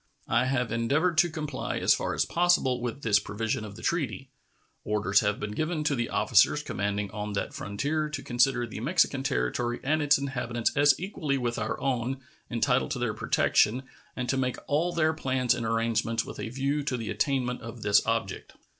I have endeavored to comply as far as possible with this provision of the treaty. Orders have been given to the officers commanding on that frontier to consider the Mexican territory and its inhabitants as equally with our own entitled to their protection, and to make all their plans and arrangements with a view to the attainment of this object.